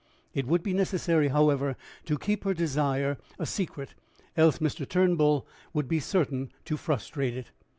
It would be necessary, however, to keep her desire a secret, else Mr. Turnbull would be certain to frustrate it.